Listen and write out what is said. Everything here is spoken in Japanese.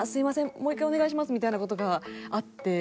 もう一回お願いします」みたいな事があって。